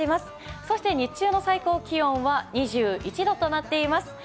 そして、日中の最高気温は２１度となっています。